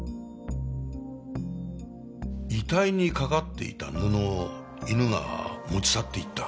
遺体に掛かっていた布を犬が持ち去っていった？